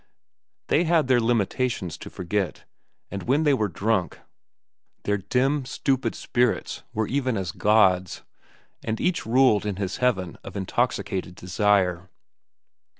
They had their limitations to forget, and when they were drunk, their dim, stupid spirits were even as gods, and each ruled in his heaven of intoxicated desire.